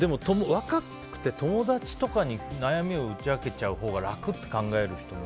若くて友達とかに悩みを打ち明けちゃうほうが楽って考える人も